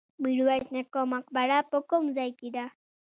میرویس نیکه مقبره په کوم ځای کې ده؟